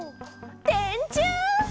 「でんちゅう！」